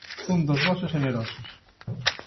Un dos bos e xenerosos.